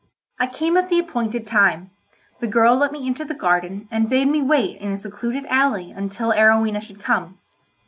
I came at the appointed time; the girl let me into the garden and bade me wait in a secluded alley until Arowhena should come.